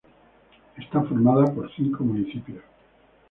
Está formada por cinco municipios.